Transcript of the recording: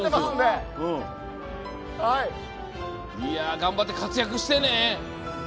頑張って活躍してね。